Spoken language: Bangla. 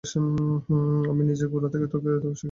আমিই নিজে গোড়া থেকে তোকে শিখিয়েছি, তোকে মানুষ করে তুলেছি।